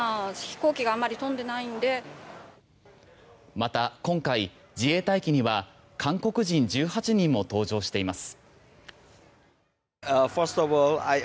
また今回自衛隊機には韓国人１８人も搭乗しています。